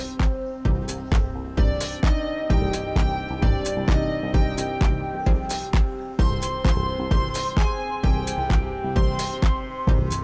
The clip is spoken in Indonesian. terima kasih iwan